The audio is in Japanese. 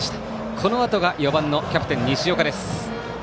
このあとは４番のキャプテン西岡です。